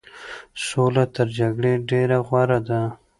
سوله تر جګړې ډېره غوره ده.